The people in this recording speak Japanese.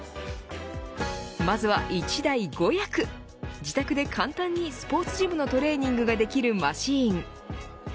まずは１台５役自宅で簡単にスポーツジムのトレーニングができるマシーン。